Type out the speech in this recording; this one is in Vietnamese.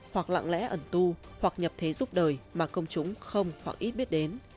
hoặc lặng lẽ ẩn tu hoặc nhập thế giúp đời mà công chúng không hoặc ít biết đến